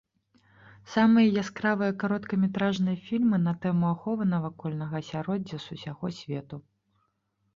Самыя яскравыя кароткаметражныя фільмы на тэму аховы навакольнага асяроддзя з усяго свету.